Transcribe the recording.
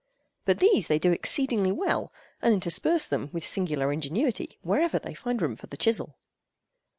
But these they do exceedingly well, and intersperse them, with singular ingenuity, wherever they find room for the chisel.